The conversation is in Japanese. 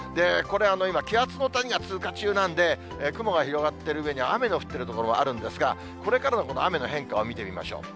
これ、今、気圧の谷が通過中なんで、雲が広がってるうえに雨の降ってる所もあるんですが、これからの雨の変化を見てみましょう。